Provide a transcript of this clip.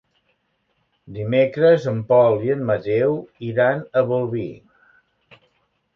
Dimecres en Pol i en Mateu iran a Bolvir.